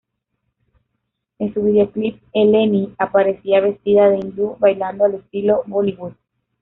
En su videoclip, Eleni aparecía vestida de hindú, bailando al estilo Bollywood.